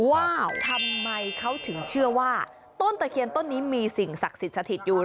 ว่าทำไมเขาถึงเชื่อว่าต้นตะเคียนต้นนี้มีสิ่งศักดิ์สิทธิ์สถิตอยู่